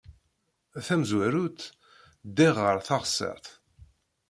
Tamezwarut, ddiɣ ɣer teɣsert.